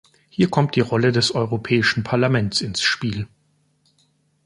Hier kommt die Rolle des Europäischen Parlaments ins Spiel.